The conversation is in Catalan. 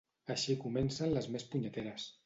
Així comencen les més punyeteres.